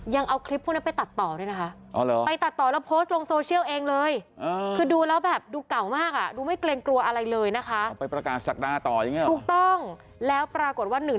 ยังเอาคลิปพวกนี้ไปตัดต่อด้วยนะคะไปตัดต่อแล้วโพสต์ลงโซเชียลเองเลย